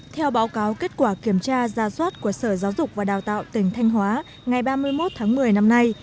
theo báo cáo kết quả kiểm tra ra soát của sở giáo dục và đào tạo tỉnh thanh hóa ngày ba mươi một tháng một mươi năm nay